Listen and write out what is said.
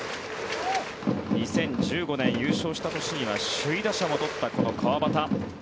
２０１５年、優勝した年には首位打者も取ったこの川端。